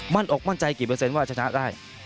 อกมั่นใจกี่เปอร์เซ็นต์ว่าชนะได้